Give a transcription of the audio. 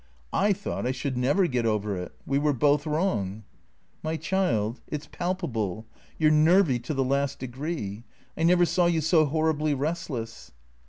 " I thought I should never get over it. We were both wrong." " My child, it 's palpable. You 're nervy to the last degree. I never saw you so horribly restless."